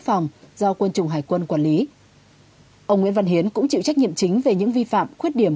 ông nguyễn văn hiến cũng chịu trách nhiệm chính về những vi phạm khuết điểm